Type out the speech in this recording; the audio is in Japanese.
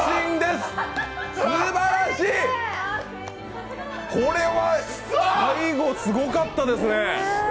すばらしい、これは最後、すごかったですね。